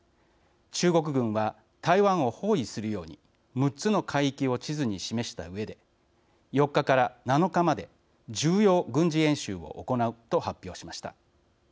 中国軍は台湾を包囲するように６つの海域を地図に示したうえで４日から７日まで重要軍事演習を行うと発表しました。